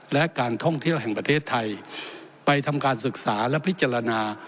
และการท่องเที่ยวแห่งประเทศไทยไปทำการศึกษาและพิจารณา